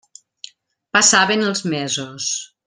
Passaven els mesos.